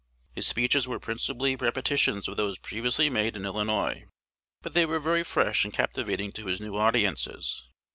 His speeches were principally repetitions of those previously made in Illinois; but they were very fresh and captivating to his new audiences.